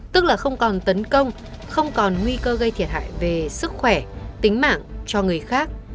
tức là không còn tấn công không còn nguy cơ gây thiệt hại về sức khỏe tính mạng cho người khác